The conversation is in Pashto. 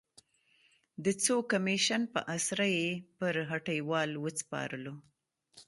د څو کمېشن په اسره یې پر هټیوال وسپارلو.